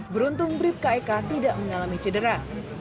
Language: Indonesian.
beruntung bribka eka tidak mengalami cedera